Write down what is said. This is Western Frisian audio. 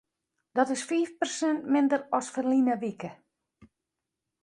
Dat is fiif persint minder as ferline wike.